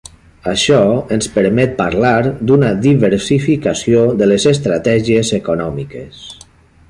Això ens permet parlar d'una diversificació de les estratègies econòmiques.